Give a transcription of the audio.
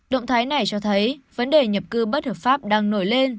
động thái này cho thấy vấn đề nhập cư bất hợp pháp đang nổi lên